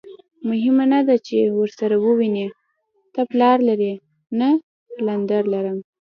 مهمه نه ده چې ورسره ووینې، ته پلار لرې؟ نه، پلندر لرم.